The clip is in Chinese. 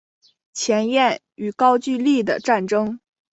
前燕与高句丽的战争